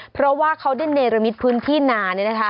เพราะว่าเขาได้เนรมิตพื้นที่นาน